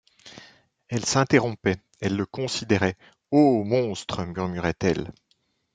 Elle s’interrompait, elle le considérait: Ô monstre! murmurait-elle.